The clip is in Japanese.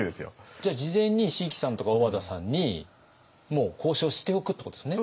じゃあ事前に椎木さんとか小和田さんにもう交渉しておくってことですね。